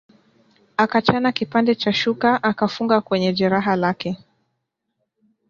Akachana kipande cha shuka akafunga kwenye jeraha lake